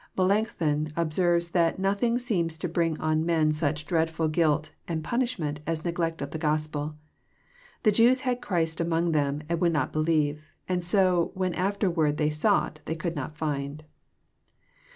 Melancthon observes that nothing seems to brin^ on men snch dreadful guilt and punishment as neglect of the Gospel. The Jews had Christ among them and would not believe, and so when Afterward they sought they could not find.